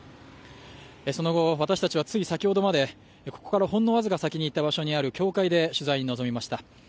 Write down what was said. その後、私たちはつい先ほどまでここからほんの僅か先にある教会で取材に臨みました。